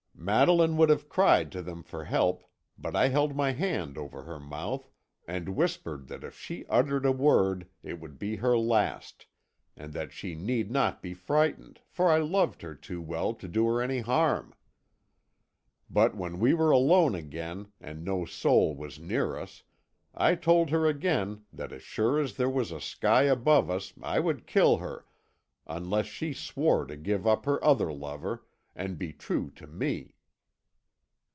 "Madeline would have cried to them for help, but I held my hand over her mouth, and whispered that if she uttered a word it would be her last, and that she need not be frightened, for I loved her too well to do her any harm. "But when we were alone again, and no soul was near us, I told her again that as sure as there was a sky above us I would kill her, unless she swore to give up her other lover, and be true to me.